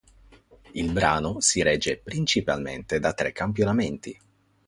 Il brano si regge principalmente da tre campionamenti.